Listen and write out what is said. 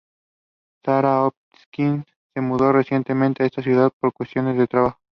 Sara Hopkins se mudo recientemente a esta ciudad por cuestiones de trabajo.